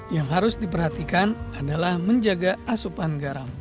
yang harus diperhatikan adalah menjaga asupan garam